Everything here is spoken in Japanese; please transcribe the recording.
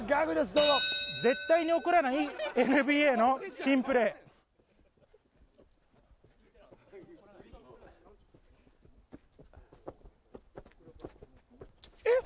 どうぞ絶対に起こらないＮＢＡの珍プレーチュッえっ